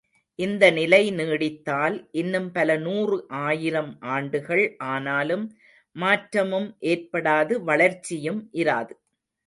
இந்த நிலை நீடித்தால் இன்னும் பல நூறு ஆயிரம் ஆண்டுகள் ஆனாலும் மாற்றமும் ஏற்படாது வளர்ச்சியும் இராது.